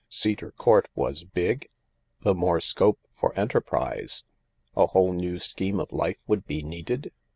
Cedar Court was big ? The more scope for enterprise I A whole new scheme of life would be needed